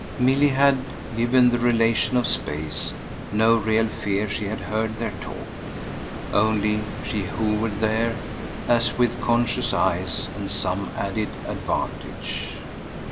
Milly had, given the relation of space, no real fear she had heard their talk; only she hovered there as with conscious eyes and some added advantage.